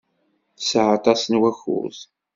Tesɛa aṭas n wakud.